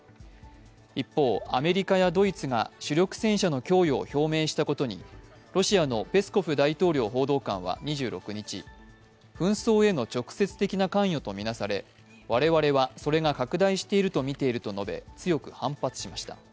一方、アメリカやドイツが主力戦車の供与を表明したことにロシアのペスコフ大統領報道官は２６日、紛争への直接的な関与と見なされ我々はそれが拡大しているとみていると述べ強く反発しました。